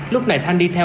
lúc này thanh đi theo